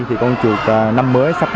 thì con chuột năm mới sắp bước ra